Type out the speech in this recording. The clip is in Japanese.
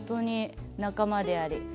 仲間であり。